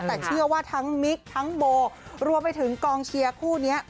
แต่เชื่อว่าทั้งมิกทั้งโบรวมไปถึงกองเชียร์คู่นี้